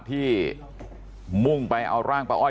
ครับคุณสาวทราบไหมครับ